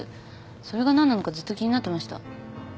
それが何なのかずっと気になってました。